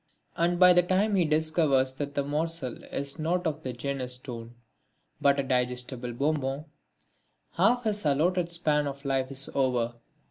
And by the time he discovers that the morsel is not of the genus stone, but a digestible bonbon, half his allotted span of life is over.